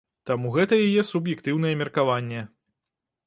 Таму гэта яе суб'ектыўнае меркаванне.